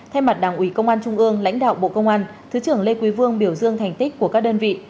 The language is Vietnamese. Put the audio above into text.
thay mặt đảng ủy công an trung ương lãnh đạo bộ công an thứ trưởng lê quý vương biểu dương thành tích của các đơn vị